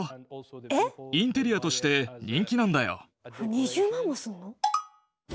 ２０万もするの？